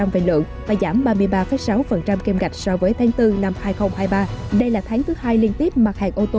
về lượng và giảm ba mươi ba sáu kem gạch so với tháng bốn năm hai nghìn hai mươi ba đây là tháng thứ hai liên tiếp mặt hàng ô tô